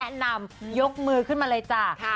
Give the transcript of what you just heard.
นำยกมือขึ้นมาเลยจ้า